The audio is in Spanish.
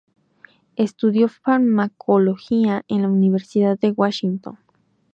Estudió Farmacología en la Universidad de Washington.